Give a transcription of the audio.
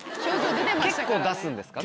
結構出すんですか？